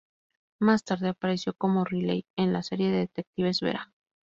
Más tarde, apareció como Riley en la serie de detectives "Vera".